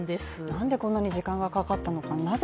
なんでこんなに時間がかかったのかなぜ